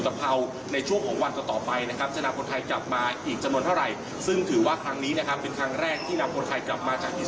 บิ่งที่ใครหลบไปไม่ได้ทันเลยครับ